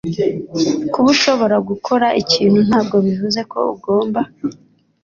Kuba ushobora gukora ikintu ntabwo bivuze ko ugomba.